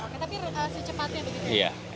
tapi secepatnya begitu